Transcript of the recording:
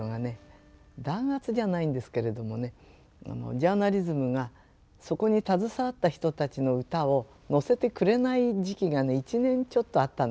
ジャーナリズムがそこに携わった人たちの歌を載せてくれない時期がね１年ちょっとあったんですよ。